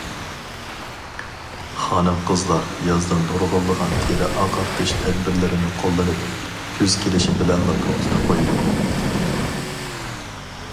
خانىم- قىزلار يازدا نۇرغۇنلىغان تېرە ئاقارتىش تەدبىرلىرىنى قوللىنىپ، كۈز كېلىشى بىلەنلا توختىتىپ قويىدۇ.